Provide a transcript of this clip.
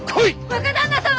若旦那様！